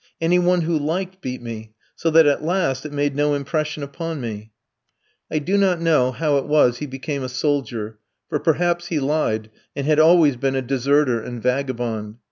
Any one who liked beat me; so that, at last, it made no impression upon me." I do not know how it was he became a soldier, for perhaps he lied, and had always been a deserter and vagabond.